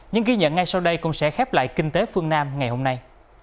những ghi nhận ngay sau đây cũng sẽ khép lại kinh tế phương nam ngày hôm nay